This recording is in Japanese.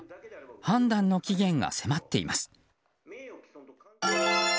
判断の期限が迫っています。